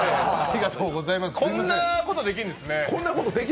こんなことできるんですね。